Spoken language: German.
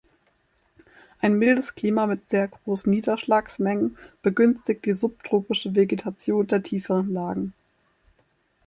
Ein mildes Klima mit sehr großen Niederschlagsmengen begünstigt die subtropische Vegetation der tieferen Lagen.